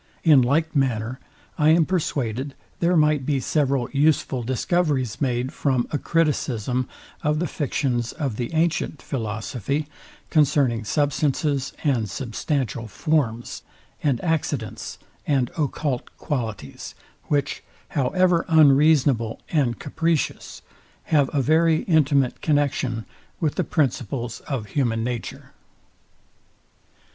In like manner, I am persuaded, there might be several useful discoveries made from a criticism of the fictions of the antient philosophy, concerning substances, and substantial form, and accidents, and occult qualities; which, however unreasonable and capricious, have a very intimate connexion with the principles of human nature.